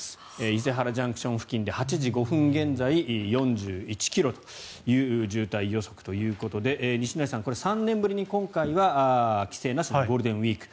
伊勢原ＪＣＴ付近で８時５分現在、４１ｋｍという渋滞予測ということで西成さん、これは３年ぶりに今回は規制なしのゴールデンウィーク。